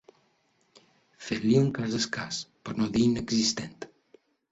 Fer-li un cas escàs, per no dir inexistent.